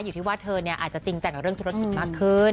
อยู่ที่ว่าเธอเนี่ยอาจจะจริงจังกับเรื่องธุรกิจมากขึ้น